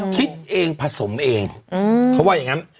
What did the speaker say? คิดเองผสมเองเขาว่าอย่างนั้น